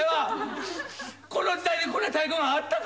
この時代にこんな太鼓があったか！？